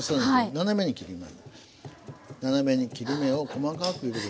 斜めに切り目を細かく入れて。